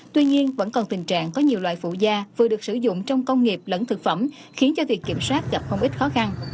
tuy nhiên vẫn còn tình trạng có nhiều loại phụ da vừa được sử dụng trong công nghiệp lẫn thực phẩm khiến cho việc kiểm soát gặp không ít khó khăn